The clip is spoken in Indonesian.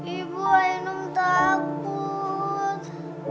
ibu ainung takut